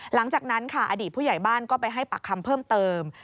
หลังจากนั้นค่ะอดีตผู้ใหญ่บ้านก็ไปให้ปากคำเพิ่มเติม